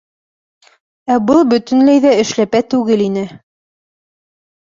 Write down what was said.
Ә был бөтөнләй ҙә эшләпә түгел ине.